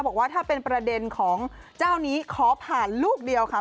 บอกว่าถ้าเป็นประเด็นของเจ้านี้ขอผ่านลูกเดียวค่ะ